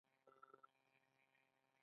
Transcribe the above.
د کانالیزاسیون سیستم په ځینو ښارونو کې و